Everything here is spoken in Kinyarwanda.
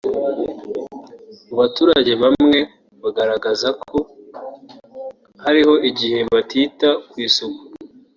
Mu baturage bamwe bagaragazaga ko hariho igihe batita ku isuku